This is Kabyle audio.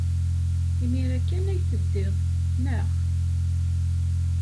Imir-a kan ay teddiḍ, naɣ?